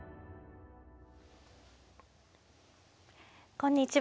こんにちは。